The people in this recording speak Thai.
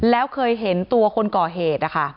แล้วเคยเห็นตัวคนก่อเหตุนะคะ